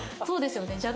そうですね。